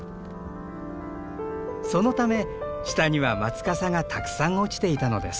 そのため下には松かさがたくさん落ちていたのです。